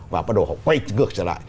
và bắt đầu họ quay ngược trở lại